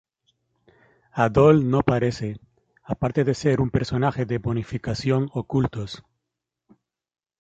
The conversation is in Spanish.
Adol no aparece, aparte de ser un personaje de bonificación ocultos.